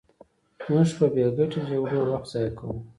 موږ په بې ګټې جګړو وخت ضایع کوو.